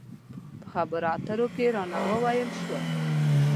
په خبرو خبرو کې رانه وویل شول.